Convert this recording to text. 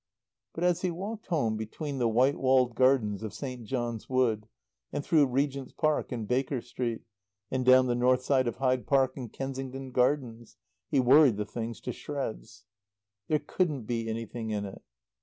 But as he walked home between the white walled gardens of St. John's Wood, and through Regent's Park and Baker Street, and down the north side of Hyde Park and Kensington Gardens, he worried the thing to shreds. There couldn't be anything in it.